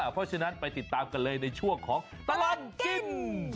เพราะฉะนั้นไปติดตามกันเลยในช่วงของตลอดกิน